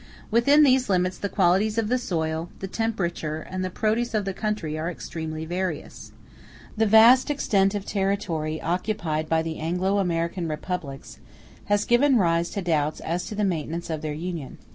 Within these limits the qualities of the soil, the temperature, and the produce of the country, are extremely various. The vast extent of territory occupied by the Anglo American republics has given rise to doubts as to the maintenance of their Union.